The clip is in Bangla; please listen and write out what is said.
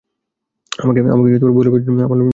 আমাকে ভুলাইবার জন্য কেন মিথ্যাচরণ।